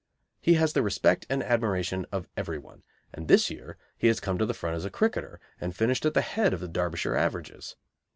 He has the respect and admiration of everyone, and this year he has come to the front as a cricketer and finished at the head of the Derbyshire averages.